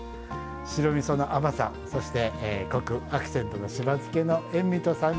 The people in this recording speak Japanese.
白みその甘さそしてコクアクセントのしば漬けの塩味と酸味。